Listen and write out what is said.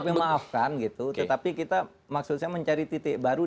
mengapa kita maksudnya mencari titik baru